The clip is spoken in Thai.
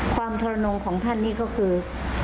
ความทรนมของท่านนี่ก็คือ